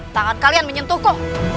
tangan kalian menyentuhku